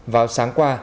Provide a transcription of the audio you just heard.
vào sáng qua